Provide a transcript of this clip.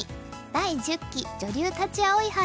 第１０期女流立葵杯」。